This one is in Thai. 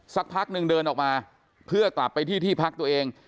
สักพักนึงเดินออกมาเพื่อกลับไปที่ที่พักตัวเอง